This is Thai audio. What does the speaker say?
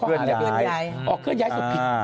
อ๋อเคลื่อนย้ายศพ